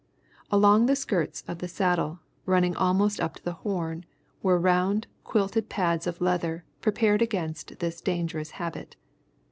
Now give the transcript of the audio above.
Along the skirts of the saddle, running almost up to the horn, were round, quilted pads of leather prepared against this dangerous habit.